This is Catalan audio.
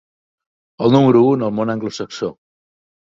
El número u en el món anglosaxó.